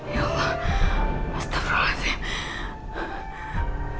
ya allah astagfirullahaladzim